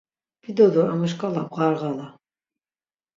Vida do emu şǩala bğarğala.